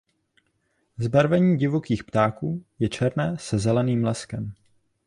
Zbarvení divokých ptáků je černé se zeleným leskem.